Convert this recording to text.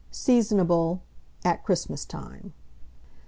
Seasonable at Christmas time.